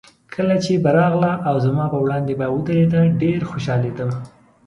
کله چې به راغله او زما په وړاندې به ودرېده، ډېر خوشحالېدم.